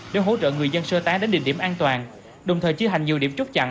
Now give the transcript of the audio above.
để hỗ trợ người dân sơ tá đến định điểm an toàn đồng thời chứa hành nhiều điểm chốt chặn